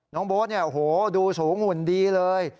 น้องโบ๊ทดูสูงหุ่นดีเลย